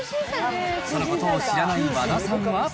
そのことを知らない和田さんは。